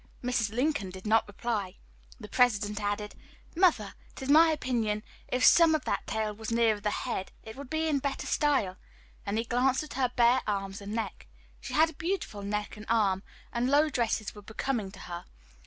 Mrs. Lincoln did not reply. The President added: "Mother, it is my opinion, if some of that tail was nearer the head, it would be in better style;" and he glanced at her bare arms and neck. She had a beautiful neck and arm, and low dresses were becoming to her.